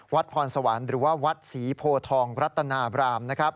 พรสวรรค์หรือว่าวัดศรีโพทองรัตนาบรามนะครับ